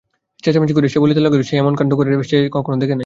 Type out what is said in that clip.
চেচামেচি করিয়া সে বলিতে লাগিল যে এমন কান্ড জীবনে সে কখনো দ্যাখে নাই।